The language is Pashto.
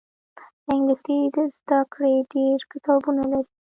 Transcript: انګلیسي د زده کړې ډېر کتابونه لري